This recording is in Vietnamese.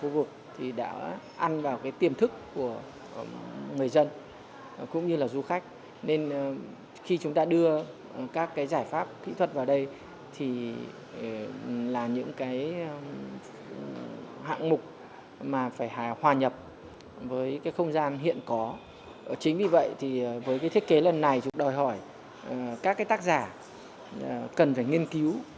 vì vậy với thiết kế lần này chúng tôi đòi hỏi các tác giả cần phải nghiên cứu